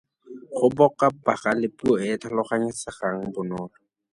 Go boka bagale Puo e e tlhaloganyegang bonolo.